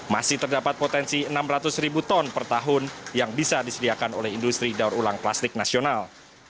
masih terdapat potensi enam ratus ribu ton per tahun yang bisa disediakan oleh industri daur ulang plastik nasional